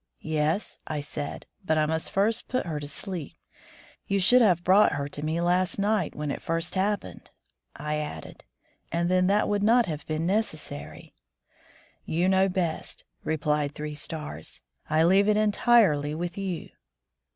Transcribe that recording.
"Yes," I said, "but I must first put her to sleep. You should have brought her to me last night, when it first happened, " I added, "and then that would not have been necessary." "You know best," replied Three Stars, "I leave it entirely with you."